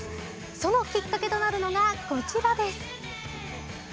そのきっかけとなるのがこちらです。